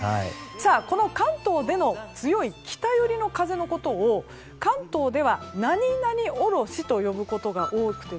この関東での強い北寄りの風のことを関東では何々おろしと呼ぶことが多くて。